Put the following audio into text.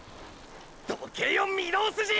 どけよ御堂筋ィ！！